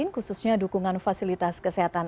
khususnya dukungan fasilitas kesehatan